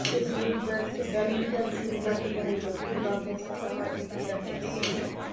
This gave birth to Vanitas who represented the pure darkness of the heart of Ventus.